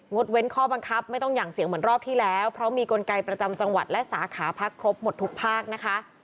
ดเว้นข้อบังคับไม่ต้องหั่งเสียงเหมือนรอบที่แล้วเพราะมีกลไกประจำจังหวัดและสาขาพักครบหมดทุกภาคนะคะ